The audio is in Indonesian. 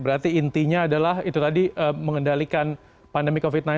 berarti intinya adalah itu tadi mengendalikan pandemi covid sembilan belas